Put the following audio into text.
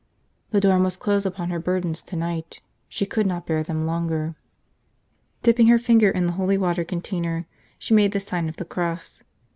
The door must close upon her burdens tonight. She could not bear them longer. Dipping her finger in the holy water container, she made the sign of the cross.